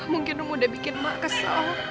mungkin rom udah bikin mak kesal